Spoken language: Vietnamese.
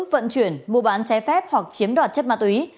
vận chuyển mua bán trái phép hoặc chiếm đoạt chất ma túy